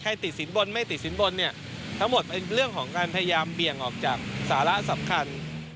ติดสินบนไม่ติดสินบนเนี่ยทั้งหมดเป็นเรื่องของการพยายามเบี่ยงออกจากสาระสำคัญ